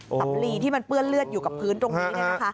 สำลีที่มันเปื้อนเลือดอยู่กับพื้นตรงนี้